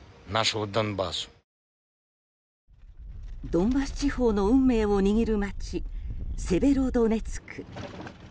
ドンバス地方の運命を握る街セベロドネツク。